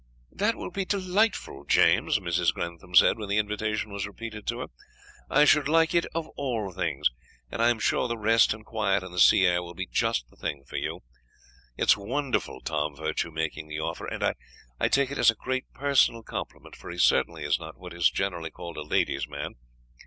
"That will be delightful, James," Mrs. Grantham said, when the invitation was repeated to her. "I should like it of all things; and I am sure the rest and quiet and the sea air will be just the thing for you. It is wonderful, Tom Virtue making the offer; and I take it as a great personal compliment, for he certainly is not what is generally called a lady's man.